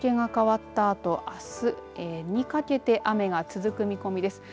日付が変わったあとあすにかけて雨が続く見込みです。